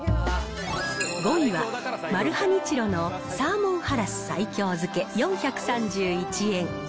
５位はマルハニチロのサーモンハラス西京漬４３１円。